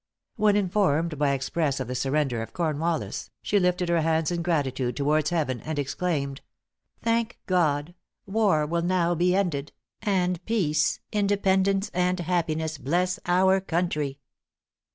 When informed by express of the surrender of Cornwallis, she lifted her hands in gratitude towards heaven, and exclaimed, "Thank God! war will now be ended, and peace, independence and happiness bless our country!"